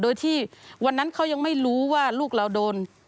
โดยที่วันนั้นเขายังไม่รู้ว่าลูกเราโดน